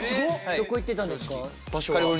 どこ行ってたんですか？